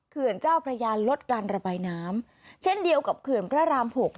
เจ้าพระยาลดการระบายน้ำเช่นเดียวกับเขื่อนพระราม๖